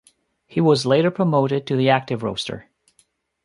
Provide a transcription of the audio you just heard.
He was later promoted to the active roster.